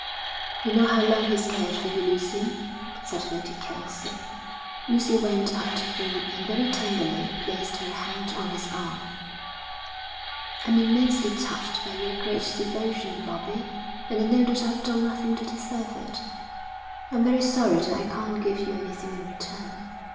'You know how long he's cared for you, Lucy,' said Lady Kelsey. Lucy went up to him and very tenderly placed her hand on his arm. 'I'm immensely touched by your great devotion, Bobbie, and I know that I've done nothing to deserve it. I'm very sorry that I can't give you anything in return.